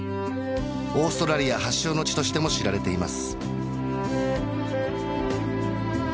オーストラリア発祥の地としても知られています